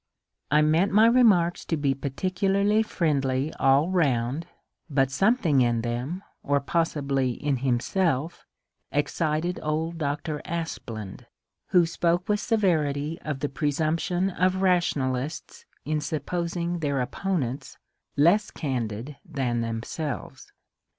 I meant my remarks to be particularly friendly all round, but something in them, or possibly in himself, excited old Dr. Aspland, who spoke with severity of the presumption of rationalists in supposing their opponents less candid than themselves.